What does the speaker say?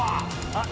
あっ！